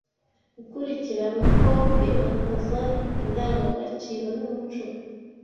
Gukurikirana uko kwimakaza indangagaciro n’umuco